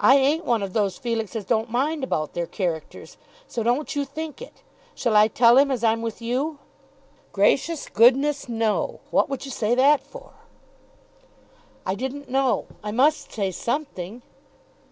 I ain't one of those, Felix, as don't mind about their characters, so don't you think it. Shall I tell him as I'm with you?" "Gracious goodness, no! What would you say that for?" "I didn't know. I must say something."